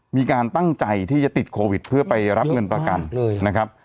มีการตั้งใจที่จะติดโควิดเพื่อไปรับเงินประกันนะครับ